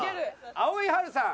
青井春さん。